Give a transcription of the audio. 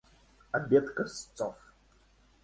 Обед косцов.